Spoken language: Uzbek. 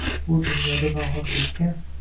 Bu dunyoda nohaqlikka